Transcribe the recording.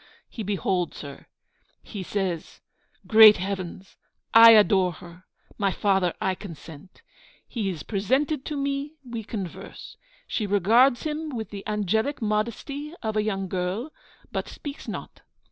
He beholds her. He says: "Great heavens, I adore her! My father, I consent." He is presented to me; we converse. She regards him with the angelic modesty of a young girl, but speaks not.